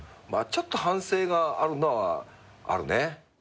ちょっと反省があるのはあるね。